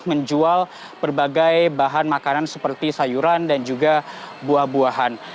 menjual berbagai bahan makanan seperti sayuran dan juga buah buahan